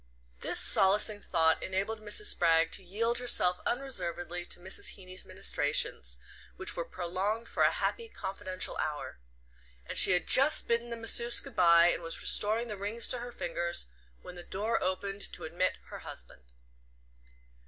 This solacing thought enabled Mrs. Spragg to yield herself unreservedly to Mrs. Heeny's ministrations, which were prolonged for a happy confidential hour; and she had just bidden the masseuse good bye, and was restoring the rings to her fingers, when the door opened to admit her husband.